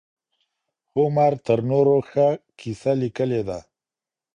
هومر تر نورو ښه کيسه ليکلې ده.